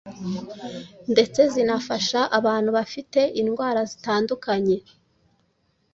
ndetse zinafasha abantu bafite indwara zitandukanye